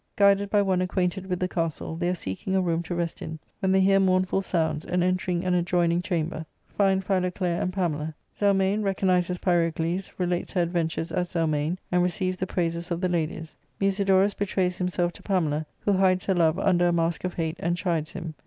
Guided by one acquainted with the castle, they are seeking a room to rest in, when they hear mournful sounds, and, entering an adjoining chamber, find Philoclea and ARCADIAJ—Bodk IPL 3S1 Pamela. Zelmane, recognised as Pyrocles*, relates her ad ventures as Zelmane, and receives the praises of the ladies. Musidorus betrays himself to Pamela, who hides her love under a mask of hate and chides him.